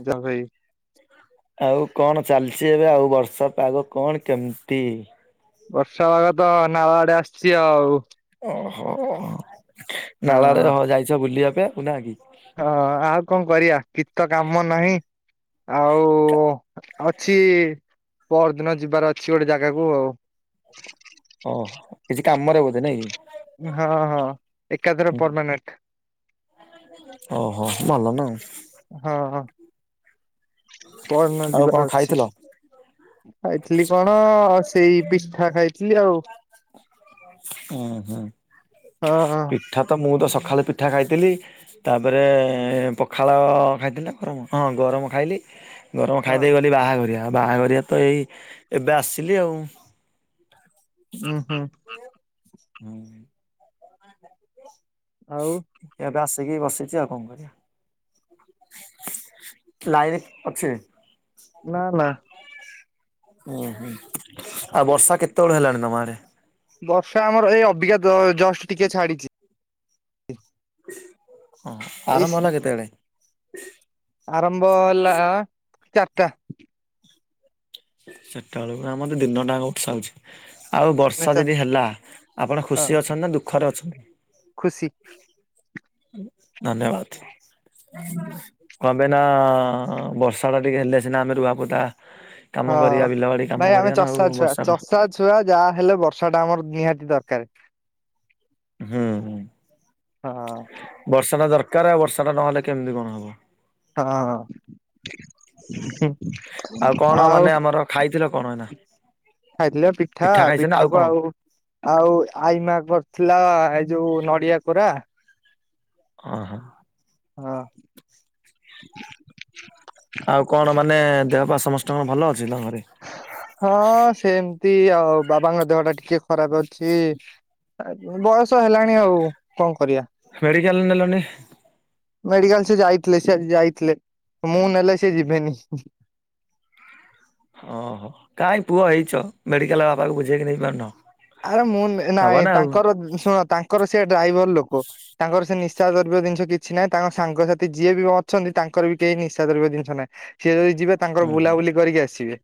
ନିଯା ଭାଇ। ଆଉ କଣ ଚାଲିଛି ଏବେ? ଆଉ ବର୍ଷା ପାଗ କଣ କେମିତି? ବର୍ଷା ବାାଗ ତ ଅନାଆଡ଼େ ଆସିଛି ଆଉ। ଓହୋ। ହଁ। ନାଳଆଡ଼େ ତୁମେ ଯାଇଛ ବୁଲିବା ପାଇଁ। ନା କି? ହଁ ଆଉ କଣ କରିବା? କିଛି ତ କାମ ନାହିଁ। ଆଉ ଅଛି ପହରଦିନ ଯିବାର ଅଛି ଗୋଟେ ଜାଗାକୁ ଆଉ। ଓହ କିଛି କାମରେ ବୋଧେ ନାଇଁ କି? ହଁ ହଁ ଏକାଥରେ ହୁଁ, ପରମାନେଣ୍ଟ। ଓହୋ ଭଲ ନା ଆଉ। ହଁ ହଁ ପଅରଦିନ ଆଉ କଣ ଯିବାର ଅଛି। ଖାଇଥିଲ? ଖାଇଥିଲି କଣ ସେଇ ପିଠା ଖାଇଥିଲି ଆଉ। ଉୁଁ ହୁଁ ହଁ ହଁ। ପିଠା ତ ମୁଁ ତ ସଖାଳେ ପିଠା ଖାଇଥିଲି। ତାପରେ ପଖାଳ ଖାଇଥିଲି ନା ଗରମ? ହଁ ଗରମ ଖାଇଲି। ଗରମ ଖାଇ ହଁ ଦେଇେଇ ଗଲି ବାହାଘରିଆ ଆଉ ବାହାଘରିଆ ତ ଏଇ ଏବେ ଆସିଲି ଆଉ। ଉୁଁ ହୁଁ ହୁଁ [inaudible] ଆଉ,? ଏବେ ଆସିକି ବସିଛି ଆଉ କଣ କରିବା। [inaudible] ଲାଇନ କିଏ ଅଛି? ନା ନା। ଓୁଁ ହୁଁ। ଆଉ ବର୍ଷା କେତେବେଳୁ ହେଲାଣି ତମ ଆଡ଼େ? ବର୍ଷା ଆମର ହେଇ ଅବିକା ଜଷ୍ଟ ଟିକେ ଛାଡିଛି। ଓଃ। ଏଇ ଆରମ୍ଭ ହେଲା କେତେବେଳେ? ଆରମ୍ଭ ହେଲା ଚାରିଟା। ସେତେବେଳରୁ ଆମର ଦିନ ଟା ବର୍ଷା ହୋଉଛି। ଆଉ ବର୍ଷା ଚାର ଯଦି ହେଲା। ଆପଣ ହଁ ଖୁସି ଅଛନ୍ତି ନା ଦୁଃଖରେ ଅଛନ୍ତି? ଖୁସି। ଧନ୍ୟବାଦ। କଣପାଇଁ ନାଁ ବର୍ଷା ଟା ଟିକେ ହେଲେ ସିନା ଆମେ ରୁଆପୋତା କାମ ହଁ କରିବା ବିଲ ବାଡି କାମ ଭାଇ ଆମେ କରିବା ନା ଆଉ ଚଷାଛୁଆ। ବର୍ଷା ଟା ଚଷା ଛୁଆ ଯାହା ହେଲେ ବର୍ଷା ଟା ଆମର ନିହାତି ଦରକାର। ହୁଁ ହୁଁ। ହଁ ବର୍ଷା ଟା ଦରକାର ଆଉ ବର୍ଷା ଟା ନହେଲେ କେମିତି କଣ ହବ। ହଁ। ହୁଁ। ଆଉ କଣ ମାନେ ଆମର ଖାଇଥିଲ କଣ ଏନା? ଖାଇଥିଲେ ପିଠା ପିଠା କୁ କଣ? ଆଉ ଆଉ ଆଇମା କରଥିଲା। ଏଇ ଯୋଉ ନଡ଼ିଆ କୋରା। ହଁ ହଁ। ହଁ। ଆଉ କଣ ମାନେ ଦେହ ପା ସମଷ୍ଟଙ୍କର ଭଲ ଅଛି ତମ ଘରେ? ହଁ ସେମିତି ଆଉ ବାବାଙ୍କ ଦେହ ଟା ଟିକେ ଖରାପ ଅଛି। ବୟସ ହେଲାଣି ଆଉ କଣ କରିବା। ମେଡିକାଲ୍ ନେଲନି? ମେଡିକାଲ ସେ ଯାଇଥିଲେ ସେ ଯାଇଥିଲେ ମୁଁ ନେଲେ ସେ ଯିବେନି। ଓହୋ କାହିଁ ପୁଅ ହେଇଛ ମେଡିକାଲ ବାପାକୁ ବୁଝେଇକି ନେଇ ପାରୁନ। ଆରେ ମୁଁ ହବ ନାଇଁ ନା ଆଉ ତାଙ୍କର ଶୁଣ ତାଙ୍କର ସେ ଡ୍ରାଇଭର ଲୋକ ତାଙ୍କର ସେ ନିଶା ଦ୍ରବ୍ୟ ଜିନିଷ କିଛି ନାହିଁ ତାଙ୍କ ସାଙ୍ଗସାଥି ଯିଏ ବି ଅଛନ୍ତି ତାଙ୍କର ବି କେହି ନିଶା ଦ୍ରବ୍ୟ ଜିନିଷ ନାହିଁ। ସିଏ ଏଇ ଯିବେ ତାଙ୍କର ହୁଁ ବୁଲାବୁଲି କରିକି ଆସିବେ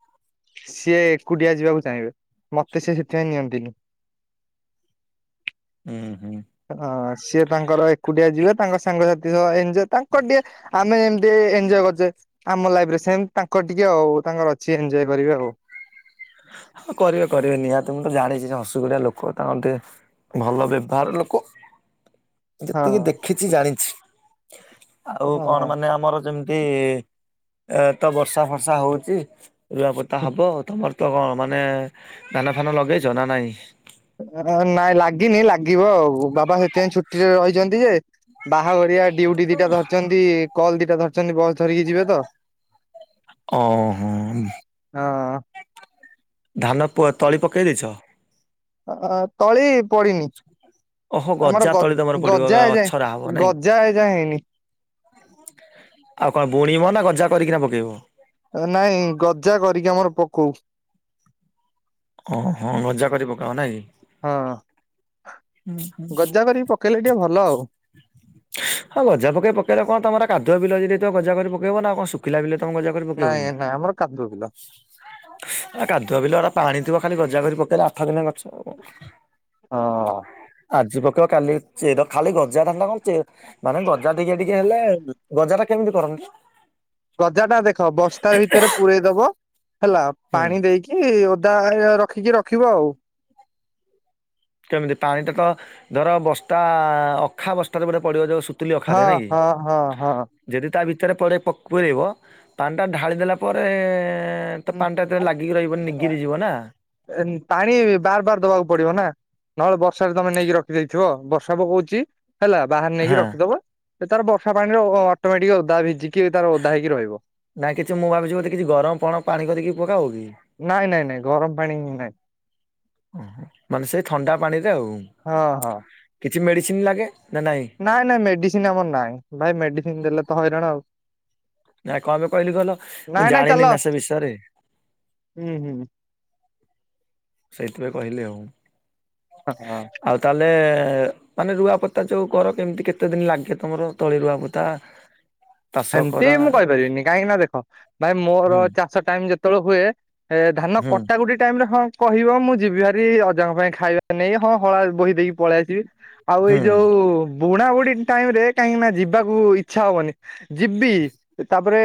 ସିଏ ଏକୁଟିଆ ଯିବାକୁ ଚାହିଁବେ ମତେ ସେ ସେଥିପାଇଁ ନିଅନ୍ତ [inaudible] ହୁଁ ହୁଁ। ହଁ ସିଏ ତାଙ୍କର ଏକୁଟିଆ ଯିବେ ତାଙ୍କ ସାଙ୍ଗସାଥି ସହ ଏଞ୍ଜ୍ ତାଙ୍କର୍ ଟିକେ ଆମେ ଏମତି ଏଞଜୟ କର୍ଚେ। ଆମ ଲାଇଫ ରେ ସେମ ତାଙ୍କ ଟିକେ ଆଉ ତାଙ୍କର ଅଛି ଏନ୍ଜୟ କରିବେ ଆଉ। ହଁ କରିବେ କରିବେ ନିହାତି ମୁଁ ତ ଜାଣିଚି ହସୁକୁରିଆ ଲୋକ ତାଙ୍କର ଟିକେ ଭଲ ବ୍ୟବହାର ଲୋକ ହଁ ଯେତିକି ଦେଖିଛି ଜାଣିଛି ଆଉ ହଁ। କଣ ମାନେ ଆମର ଯେମ୍ ଏ-ଏ ତ ବର୍ଷା ଫର୍ଷା ହଉଚି ରୁଆପୋତା ହବ ତମର କ ମାନେ ଧାନ ଫାନ ଲଗେଇଚ ନା ନାଇଁ? ନାଇଁ ଲାଗିନି ଲାଗିବ ଆଉ ବାବା ସେଥିପାଇଁ ଛୁଟିରେ ରହିଚନ୍ତି ଯେ ବାହାଘରିଆ ଡ୍ୟୁଟି ଦିଟା ଧରିଚନ୍ତି କଲ୍ ଦିଟା ଧରିଚନ୍ତି ବସ୍ ଧରିକି ଯିବେ ତ। ହଁ ଓୋ ହଁ। ଧାନ ପୁଆ ତଳି ପକେଇଦେଇଚନ୍ତି? ଅ ତଳି ପଡିିନି। ଓହୋ ଆମର ଗଜା ତଳି ତମର ଗ- ପଡିବ ଗଜା ଏଯାଏ ଗଛରା ହବ ନାଇଁ ଗଜା ଏଯାଏଁ ହେଇନି। ଆଉ କଣ ବୁଣିବ ନା ଗଜା କରିକିନା ପକେଇବ? ନାଇଁ ଗଜା କରିକି ଆମର ପକଉ। ଓ ହଁ ଗଜା କରି ପକାଓ ନାଇଁ କି? ହଁହଁ। ହୁଁ ହୁଁ। ପକେଇଲେ ଟିକେ ଭଲ ଆଉ [inaudible] ହଁ ଗଜା ପକେଇ ପକେଇଲେ କଣ ତମର କାଦୁଆ ବିଲ ହେଇଯାଇଥିବ ଗଜା କରି ପକେଇବ ନା କଣ ଶୁଖିଲା ବିଲ ତମ ଗଜା କରି ପକେଇବ କି? ନାଇଁ ନାଇଁ ଆମର କାଦୁଅ ବିଲ ନା କାଦୁଆ ପିଲା ପାଣି ଥିବ ଖାଲି ଗଜା କରି ପକେଇଲେ ଆଠ ଦିନ ଗଛ ହବ। ହଁ ଆଜି ପକେଇବ କାଲି ଚେର ଖାଲି ଗଜା ନା କଣ? ମାନେ ଗଜା ଟିକେ ଟିକେ ହେଲେ ଗଜା ଟା କେମିତି କରନ୍ତି? ଗଜା ଟା ଦେଖ ବସ୍ତା ଭିତରେ ପୂରେଇ ଦବ ହେଲା ହୁଁ ପାଣି ଦେଇକି କି ଓଦା [unintelligible] ରଖିକି ରଖିବ ଆଉ। କେମିତି ପାଣିଟା ତ ଧର ବସ୍ତା ଅଖା ବସ୍ତାରେ ବୋଧେ ପଡିବ ଯୋଉ ସୁ ସୁତୁଲି ହଁ ଅଖାରେ ନା କି? ହଁ ହଁ ହଁ ଯଦି ତା ଭିତରେ ପୁରେ ପକ ପୁରେଇବ ପାଣିଟା ଢାଳି ଦେଲା ପରେ ତ ପାଣି ଟା ଏତେ ଲାଗିକି ରହିବନି ନିଗିରି ଯିବ ନା। ପାଣି ବାର ବାର ଦବାକୁ ପଡିବ ନା? ନହେଲେ ବର୍ଷାରେ ତମେ ନେଇକି ରଖିଦେଇଥିବ ବର୍ଷା ପକହଉଚି ହେଲା। ବାହାର ନେଇକି ହଁ ରଖିଦବ ସେ ତାର ବର୍ଷା ପାଣିରେ ଅଟୋମେଟିକ ଓଦା ଭିଜିକି ତାର ଓଦା ହେଇକି ରହିବ। ନାଇଁ କିଛି ମୁଁ ଭାବିଛି ବଧେ କିଛି ଗରମ ଫଣ ପାଣି କରିିକି ପକାଅ କି? ନାଇଁ ନାଇଁ ନାଇଁ ଗରମ ପାଣି ହିଁ ନାଇଁ। ମାନେ ସେଇ ଥଣ୍ଡା ପାଣିରେ ଆଉ ହଁ ହଁ। କିଛି ମେଡ଼ିସିନ୍ ଲାଗେ ନା ନାଇଁ। ନାଇଁ ନାଇଁ ମେଡିସିନ୍ ଆମର ନାଇଁ ଭାଇ ମେଡିସିନ୍ ଦେଲେ ତ ହଇରାଣ ଆଉ। ନାଇ କଣ ପାଇଁ କହିଲି କହିଲ ମୁଁ ନାଇଁ ନାଇଁ ଚାଲ ଜାଣିନି ନା ସେ ବିଷୟରେ। ହୁଁ ହୁଁ। ସେଇଥି ପାଇଁ କହିଲି ଆଉ। ହଁ ହଁ। ଆଉ ତାହେଲେ ମାନେ ରୁଆପୁତା ଯୋଉ କର କେମିତି କେତେ ଦିନ ଲାଗେ ତମର ତଳି ରୁଆପୁତା। ସେମତି ମୁଁ କହିପାରିବିନି କାହିଁକି ନା ଦେଖ ଭାଇ ମୋର ହୁଁ ଚାଷ ଟାଇମ୍ ଯେତେବେଳେ ହୁଏ ଏ ଧାନ ହୁଁ କଟା ଗୋଟେ ଟାଇମ୍ ରେ ହଁ କହିବ ମୁଁ ଯିବି ହାରି ଅଜାଙ୍କ ପାଇଁ ଖାଇବା ନେଇ ହଁ ହଳା ବୋହି ଦେଇକି ପଳେଇ ଆସିବି। ଆଉ ହୁଁ ଏଇ ଯୋଉ ବୁଣାବୁଣି ଟାଇମ୍ ରେ କାହିଁକି ନା ଯିବାକୁ ଇଛା ହବନି। ଯିବି ତାପରେ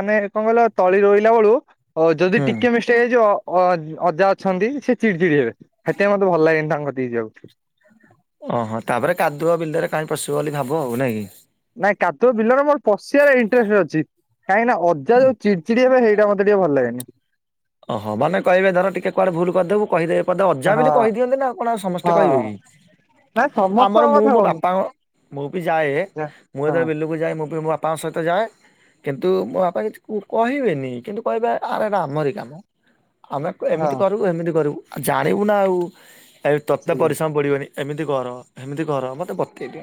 ମାନେ କଣ କହିଲ ତଳି ରୋଇଲା ବେଳୁ ଓ ଯଦି ହୁଁ ଟିକେ ମିଷ୍ଟ୍ ସେ ଯୋଉ ଅ ଅଜା ଅଛନ୍ତି ସେ ଚିଡି ଚିଡି ହେବେ ସେଥିପାଇ ମତେ ଭଲ ଲାଗେନି ତାଙ୍କ କତିକି ଯିବାକୁ। ଅ ହଁ ତାପରେ କାଦୁଅ ବିଲରେ କାଇ ପସିବ ବୋଲି ଭାବ ନା କି। ନାଇଁ କାଦୁଅ ବିଲରେ ମୋର ପସି ବାର ଇଟ୍ରେଷ୍ଟ୍ ଅଛି କାହିଁକି ନା ଅଜା ଯୋଉ ଚିଡ଼୍ ଚିଡ଼୍ ହେବେ ସେଇଟା ମତେ ଟିକେ ଭଲ ଲାଗେନି। ଅହୋ ମାନେ କହିବେ ଧର ଟିକେ କୁଆଡେ ଭୁଲ କରିଦବୁ କହିଦେବେ। ମୋତେ ଅଜା ବୋଲି ହଁ କହିଦିଅନ୍ତି ନା କଣ ଆଉ ସମସ୍ତେ ହଁ କହିବେ କି ନା ସମସ୍ତଙ୍କ ଆମର ମୁଁ କଥା ମୋ କହୁନି ବାପାଙ୍କ ମୁଁ ବି ଯାଏ ଯା ମୁଁ ହଁ ଯେତେବେଳେ ବିଲକୁ ଯାଏ ମୁଁ ବି ମୋ ବାପାଙ୍କ ସହିତ ଯାଏ। କିନ୍ତୁ ମୋ ବାପା କିଛି କୁ କହିବେନି କିନ୍ତୁ କହିବେ ଆରେ ଏଟା ଆମରି କାମ। ଆମେ ହଁ ଏମିତି କରିବୁ ହେମିତି କରିବୁ ଆଉ ଜାଣିବୁ ନା ଆଉ ଏ ତତେ ସେଇ ପରିଶ୍ରମ ପଡିବନି ଏମିତି କର ହେମିତି କର ମତେ ବତେଇବେ।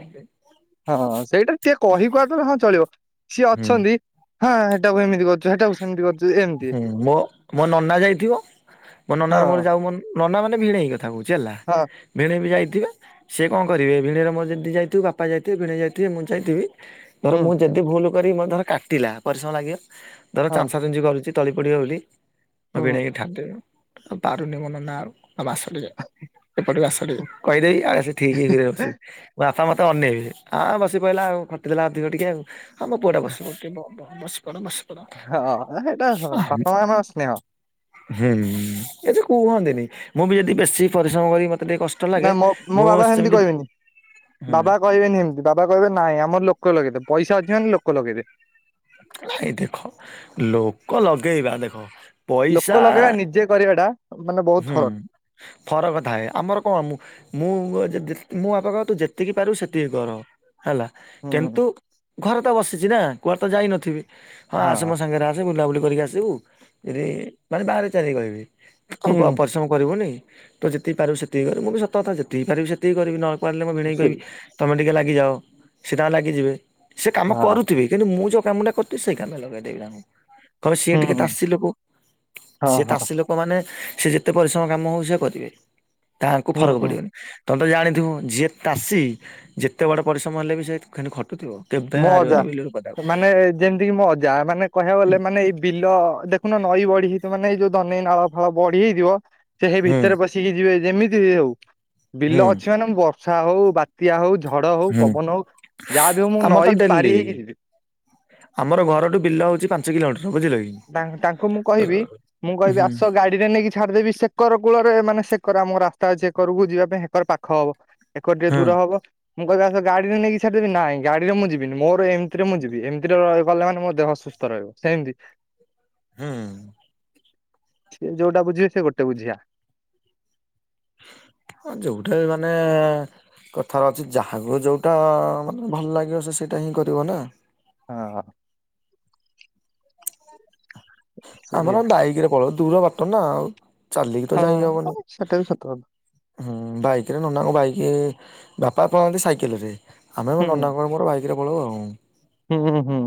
ହଁ ହଁ ସେଇଟା ଟିକେ କହି କୁହା ଦ ହଁ ଚଳିବ ସିଏ ହୁଁ ଅଛନ୍ତି। ହଁ ହେଟାକୁ ଏମିତି କରୁଚୁ ହେଟାକୁ ଏମିତି କରୁଚି ଏମ ହୁଁ ମୋ ମୋ ନନା ଯାଇଥିବ ମୋ ହଁ ନନାର ମୋର ଯାଉ ମନ ନନା ମାନେ ଭିଣେଇ କଥା କହୁଚି ହେଲା। ହଁ। ଭିଣେଇ ବି ଯାଇଥିବେ। ସିଏ କଣ କରିବେ ଭିଣେଇ ର ମୋର ଯଦି ଯାଇଥିବୁ ବାପା ଯାଇଥିବେ ଭିଣେଇ ଯାଇଥିବେ ମୁଁ ଯାଇଥିବି। ଧର ହୁଁ ମୁଁ ଯଦି ଭୁଲ କରିବି ଧର କାଟିଲା ପରିଶ୍ରମ ଲାଗିବ ଧର ହଁ ଚାଞ୍ଚା ଚୁଞ୍ଚି କରି ତଳି ପଡିବ ବୋଲି ମୋ ହୁଁ ଭିଣେଇକି ଠାରିଦେଵି ପାରୁନି ମ ନନା ଆଉ ତମେ ଆସଟିକେ। ଏପଟକୁ ଆସ ଟିକେ କହିଦେଇ ଆସେ ଠିକ୍ ରେ ବସେ ମୋ ବାପା ମତେ ଅନେଇବେ ଆଁ ବସି ପହିଲା ଆଉ ଖଟିଲା ଅଧିକ ଟିକେ ଆଉ ଆ ମୋ ପୁଅ ଟା ବସିି ପଡ଼ିଥିବ ବସିପଡ଼ ବସିପଡ଼। ହଁ ହେଇଟା ବାପା ମାନଙ୍କ ସ୍ନେହ। ହେ କିଛି କୁହନ୍ତିନି ମୁଁ ବି ଯଦି ବେଶୀ ପରିଶ୍ରମ କରିଵି ମତେ ଟିକେ କଷ୍ଟ ନା ଲାଗେ ମୋ ମୋ ମୁଁ ବାବା ସେମତି ସେମିତି କହିବିନି ହୁଁ ବାବା କହିବେନି ଏମତି ବାବା କହିବେ ନାଇଁ ଆମ ଲୋକ ଲଗେଇଦବେ ପଇସା ଅଛି ମାନେ ଲଗେଇବେ। ହେଇ ଦେଖ ଲୋକ ଲଗେଇବା ଦେଖ ପଇସା ଲୋକ ଲଗେଇବା ନିଜେ କରିବାଟା ମାନେ ବହୁତ ହୁଁ ଫରକ ଫରକ ଥାଏ ଆମର କଣ ମୁଁ ମୁଁ ବାପା କହିବ ତୁ ଯେତିକି ପାରିବୁ ସେତିକି କର। ହେଲା ହୁଁ କିନ୍ତୁ ଘରେ ତ ବସିଛି ନା କୁଆଡେ ତ ଯାଇନଥିବି ହଁ ଆସେ ମୋ ସାଙ୍ଗରେ ଆ ଜେ ବୁଲାବୁଲି କରିକି ଆସିବୁ ଇରେ ବାଆଁରେଇ ଚାଆଁରେଇ କହିବି। ଆଉ କୁ ହୁଁ ପରିଶ୍ରମ କରିବୁନି ତୁ ଯେତିକି ପାରିବୁ ସେତିକି କରିବୁ ମୂଁ କହିଲି ସତ କଥା ଯେତିକି ପାରିବି ସେତିକି କରିବି ନ ନପାରିଲେ ମୁଁ ଭିଣେଇ ସେଇ କହିବି ତମେ ଟିକେ ଲାଗିଯଅ ସେ ତାଙ୍କର ଲାଗିଯିବେ। ସେ କାମ ହଁ କରୁଥିବେ କିନ୍ତୁ ମୁଁ ଯୋଉ କାମଟା କରୁଥିଲି ସେଇ କାମ ଲଗେଇଦେବି ମୁଁ। କହିବେ ସିଏ ଟିକେ ହୁଁ ତାସୀ ଲୋକ ହଁ ସିଏ ହଁ ତାସୀ ଲୋକ ଲୋକ ମାନେ ସେ ଯେତେ ପରିଶ୍ରମ କାମ ହଉ ସେ କରିବେ ତାଙ୍କୁ ଫରକ ହୁଁ ପଡିବନି। ତମେ ତ ଜାଣିଥିବ ଯିଏ ତାଷୀ ଯେତେ ବଡ଼ ପରିଶ୍ରମ ହେଲେ ବି ସେ ଖାନୀ ଖଟୁଥିବ। କେଭେ ମୋ ଅଜା ବାହାରିବନି ବିଲରୁ ପଦାକୁ। ମାନେ ଯେମିତି କି ମ ଅଜା ମାନେ କହିବାକୁ ଗଲେ ମାନେ ଏଇ ବିଲ ଦେଖ ଦେଖୁନ ନଈ ବଢି ହେଇଥିବ ମାନେ ଏଇ ଯୋଉ ଦନେଇ ନାଳ ଫାଳ ବଢି ହେଇଥିବ ସିଏ ହେଇ ହୁଁ ଭିତରେ ପଶି ପଶିକି ଯିବେ ଯେମିତି ହଉ ହୁଁ ବିଲ ଅଛି ମାନେ ମୁଁ ବର୍ଷା ହଉ ବା ବାତ୍ୟା ହଉ ଝଡ ହଉ ହୁଁ। ପବନ ହଉ ଯାହା ବି ହଉ ମୁଁ ଆମର ତ ନଈ ପାରି ଡେଲି ହେଇକି ଯିବି ଆମର ଘରଠୁ ବିଲ ହଉଛି ପାଞ୍ଚ କିଲୋମିଟର ବୁଝିଲ କି? ତାଙ୍କୁ ମୁଁ କହିବି ମୁଁ ହୁଁ କହିବି ଆସ ଗା ଗାଡିରେ ନେଇକି ଛାଡିଦେବି ସେକର କୂଳରେ ମାନେ ସେକର ଆମ ରାସ୍ତା ଅଛି ହେକରକୁ ଯିବା ପାଇଁ ହେକର ପାଖ ହବ। ଏକରେ ଟିକେ ହୁଁ ଦୂର ହବ। ମୁଁ କହିବି ଆସ ଗାଡିରେ ନେଇକି ଛାଡିଦେବି। ନାଇଁ ଗଡିରେ ମୁ ଯିବିନି ମୋର ଏମତିରେ ମୁଁ ଯିବି। ଏମିତିରେ ଗଲେ ମାନେ ମୋ ଦେହ ସୁ ସୁସ୍ଥ ରହିବ ସେମିତି ହୁଁ ହୁଁ। ସିଏ ଯୋଉଟା ବୁଝିବେ ସେ ଗୋଟେ ବୁଝିଆ। ଅ ଯଉଠେ ମାନେ କଥାରେ ଅଛି ଯାହାକୁ ଯଉଟା ମାନେ ଭଲ ଲାଗିବ ସେ ସେଇଟା ହିଁ କରିବ ନା। ହଁ। ଆମର ସେଇଆ ବାଇକରେ ପଳଉ ଦୂର ବାଟନା ଆଉ ଚାଲିକି ତ ଯାଇ ହବନି। ହଁ ସେଟା ବି ସତ କଥା। ହୁଁ ବାଇକ ରେ ନନାଙ୍କ ବାଇକ ବାପା ପଳାନ୍ତି ସାଇକେଲରେ। ଆମର ନନାଙ୍କର ମୋର ବାଇକ୍ରେ ପଳଉ ଆଉ। ହୁଁ ହୁଁ ହୁଁ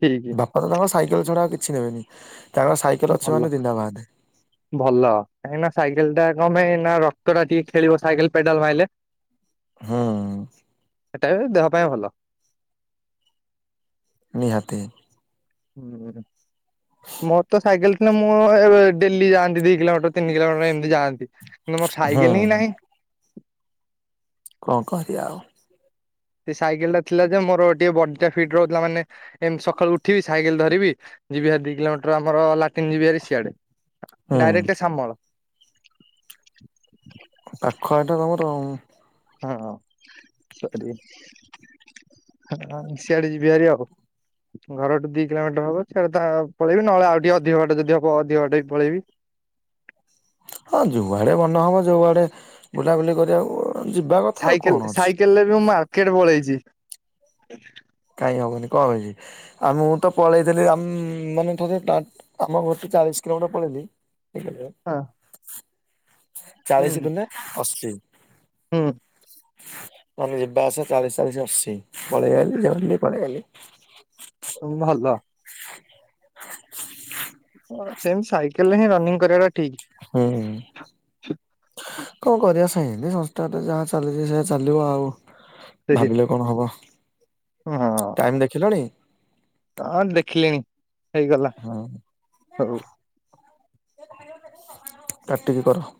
ଠିକ। ବାପା ତାଙ୍କ ସାଇକେଲ ଛଡା ଆଉ କିଛି ନେବେନି ତାଙ୍କର ସାଇକ ଭଲ। ଭଲ କାହିଁକିନା ସାଇକେଲ ଟା କମ୍ପେଇ ନା ରକ୍ତଟା ଟିକେ ଖେଳିବ ସାଇକେଲ ପେଡାଲ ମାଇଲେ। ହୁଁ ହେଟାବି ଦେହ ପାଇଁ ଭଲ। ନିହାତି। ମୋର ତ ସାଇକେଲ ଥିଲେ ମୁଁ ଡେଲି ଯାଆନ୍ତି ଦି କିଲୋମିଟର। ତିନି କିଲୋମିଟର ଏମତି ଜାଆନ୍ତି କିନ୍ତୁ ମୋର ହୁଁ। ସାଇକେଲ ହିଁ ନାହିଁ। କଣ କରିଆ ଆଉ। ସେ ସାଇକେଲ ଟା ଥିଲା ଯେ ମୋର ଟିକେ ବଡିଟା ଫିଟ୍ ରହୁଥିଲା ମାନେ ଏମତି ସକାଳୁ ଉଠିବି ସାଇକେଲ ଧରିବି ଯିବି ହାରି ଦି କିଲୋମିଟର ଆମର ଲାଟିନ୍ ଯିବି ହାରି ସିଆଡେ। ହୁଁ ଡାଇରେକ୍ଟ ସାମଳ। ପାଖ ହେଟା ତମର ଆଉ। ହଁ ସରି ସିଆଡେ ଯିବି ହାରି ଆଉ। ଘରଠୁ ଦି କିଲୋମିଟର ହବ ସିଆଡ଼େ ତା ପଳେଇବି ନହେଲେ ଆଉ ଟିକେ ଅଧିକ ବାଟ ଯଦି ହବ ଅଧିକ ବାଟ ବି ପଳେଇବି। ହଁ ଯୁଆଡ଼େ ମନ ହବ ଯୋଉ ଆଡ଼େ ବୁଲାବୁଲି କରିବାକୁ ଯିବା କଥା ଆଉ କଣ ସାଇକେଲ ଅଛି। ସାଇକେଲରେ ବି ମୁଁ ମାର୍କେଟ ପଳେଇଛି। କାଇଁ ହବନି କଣ। [unintelligible] ଆଉ ମୁଁ ତ ପଳେଇଥିଲି ଆମ୍ ମାନେ ଥରେ ଟାଟ ଆମ ଘରଠୁ ଚାଳିଶ କିଲୋମିଟର ପଳେଇଲି। [unintelligible] ହଁ। ହୁଁ ଚାଳିଶ ଦୁନେ ଅଶୀ। ଆମେ ଯିବା ଆସିବା ଚାଳିଶ ଚାଳିଶ ଅଶି ପଳେଇ ଆଇଲି ଜଲଦି ବି ପଳେଇ ଆଇଲି। ଉଁ ଭଲ। [inaudible] ହ ସେମିତି ସାଇକେଲରେ ହିଁ ରିନିଂ କରିବାଟା ଠିକ୍। ହୁଁ। କଣ କରିବା ସେନ୍ତି ସଂସ୍ଥାଟା ଯାହା ଚାଲିଛି ସେୟା ଚାଲିବ ଆଉ। ଭାବିଲେ କଣ ହବ ହଁ ଟାଇମ ଦେଖିଲଣି? ହଁ ଦେଖିଲିଣି ହେଇଗଲା ହଁ ହଉ। [inaudible] କାଟିକି କର।